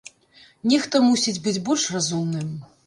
Нехта мусіць быць больш разумным.